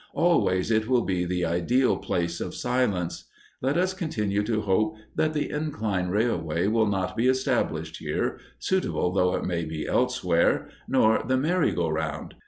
Always it will be the ideal Place of Silence. Let us continue to hope that the incline railway will not be established here, suitable though it may be elsewhere, nor the merry go round.